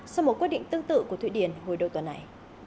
sau một quyết định tương tự của thụy điển hồi đầu tuần này